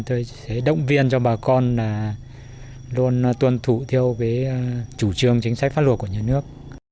thì đồng viên cho bà con là luôn tuân thủ theo chủ trương chính sách phát luật của nhà nước